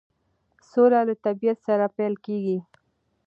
سوله له طبیعت سره پیل کیږي.